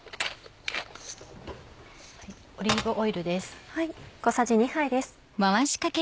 オリーブオイルです。